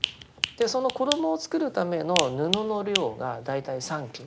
その衣を作るための布の量が大体三斤。